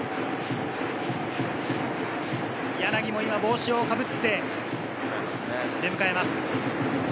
柳も今帽子を被って出迎えます。